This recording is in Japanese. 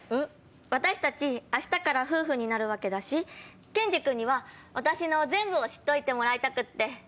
私たち明日から夫婦になるわけだしケンジ君には私の全部を知っといてもらいたくって。